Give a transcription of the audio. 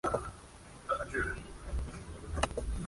El club no obtuvo ningún título.